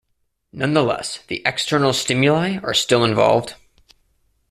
Nonetheless, the external stimuli are still involved.